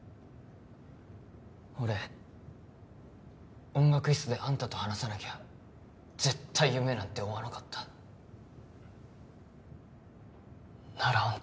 俺音楽室であんたと話さなきゃ絶対夢なんて追わなかったならあん